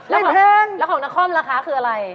แล้วของนาคอมราคาคืออะไร